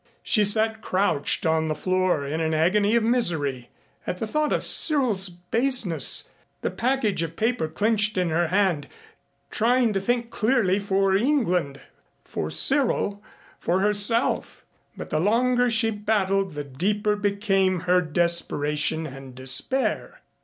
She sat crouched on the floor in an agony of misery at the thought of Cyril's baseness, the package of paper clenched in her hand, trying to think clearly for England, for Cyril, for herself, but the longer she battled the deeper became her desperation and despair.